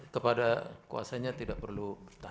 kepada kuasanya tidak perlu